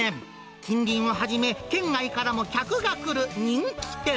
近隣をはじめ、県外からも客が来る人気店。